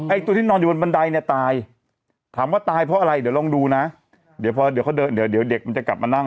ตัวที่นอนอยู่บนบันไดเนี่ยตายถามว่าตายเพราะอะไรเดี๋ยวลองดูนะเดี๋ยวพอเดี๋ยวเขาเดินเดี๋ยวเดี๋ยวเด็กมันจะกลับมานั่ง